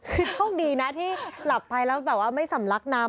คือโชคดีนะที่หลับไปแล้วแบบว่าไม่สำลักน้ำ